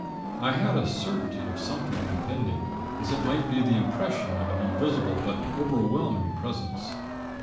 I had a certainty of something impending: as it might be the impression of an invisible, but overwhelming, Presence.